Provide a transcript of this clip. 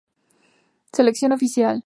Selección oficial.